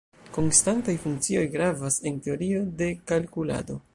Konstantaj funkcioj gravas en teorio de kalkulado.